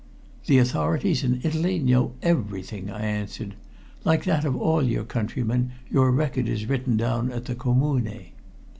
"The authorities in Italy know everything," I answered. "Like that of all your countrymen, your record is written down at the Commune."